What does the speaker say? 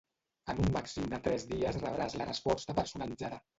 En un màxim de tres dies rebràs la resposta personalitzada.